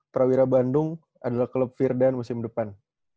prawira bandung adalah klub virdan musim depan